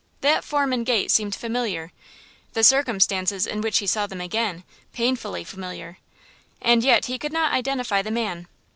That form and gait seemed familiar–the circumstances in which he saw them again–painfully familiar. And yet he could not identify the man.